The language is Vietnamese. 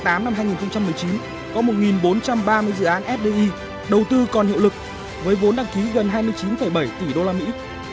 năm hai nghìn một mươi chín có một bốn trăm ba mươi dự án fdi đầu tư còn hiệu lực với vốn đăng ký gần hai mươi chín bảy tỷ đô la mỹ